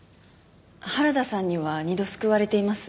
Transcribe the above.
原田さんには２度救われています。